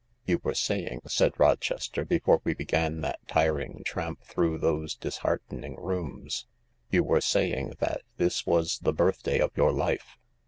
"You were saying," said Rochester, "before we began that tiring tramp through those disheartening rooms, you were saying that this was the birthday of your life.